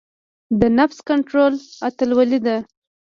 د نفس کنټرول اتلولۍ ده.